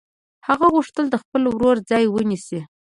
هغه غوښتل د خپل ورور ځای ونیسي